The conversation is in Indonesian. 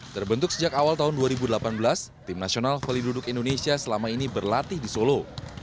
terbentuk sejak awal tahun dua ribu delapan belas tim nasional volley duduk indonesia selama ini berlatih di solo